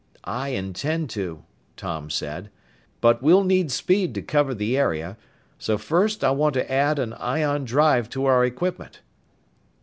"I intend to," Tom said. "But we'll need speed to cover the area. So first I want to add an ion drive to our equipment."